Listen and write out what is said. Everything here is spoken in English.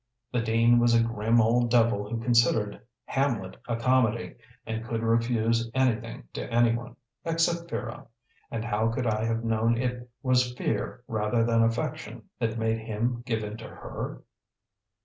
The dean was a grim old devil who considered Hamlet a comedy and could refuse anything to anyone except Vera, and how could I have known it was fear rather than affection that made him give in to her?